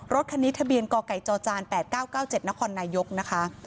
รถคันนี้ทะเบียนกไก่จจ๘๙๙๗นครนายกนะคะ